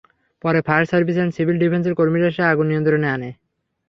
পরে fire service and civil ডিফেন্সের কর্মীরা এসে আগুন নিয়ন্ত্রণে আনে।